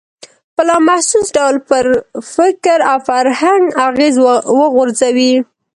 په لا محسوس ډول پر فکر او فرهنګ اغېز وغورځوي.